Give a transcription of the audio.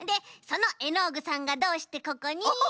そのエノーグさんがどうしてここに？